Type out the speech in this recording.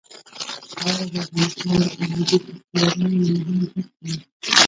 خاوره د افغانستان د فرهنګي فستیوالونو یوه مهمه برخه ده.